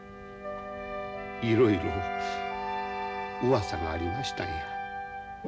いろいろうわさがありましたんや。